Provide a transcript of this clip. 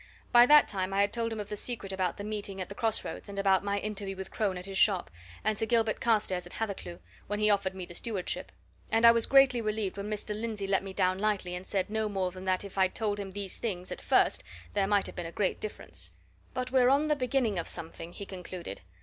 By that time I had told him of the secret about the meeting at the cross roads, and about my interview with Crone at his shop, and Sir Gilbert Carstairs at Hathercleugh, when he offered me the stewardship; and I was greatly relieved when Mr. Lindsey let me down lightly and said no more than that if I'd told him these things, at first, there might have been a great difference. "But we're on the beginning of something," he concluded.